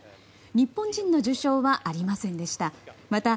日本人の受賞はありませんでした。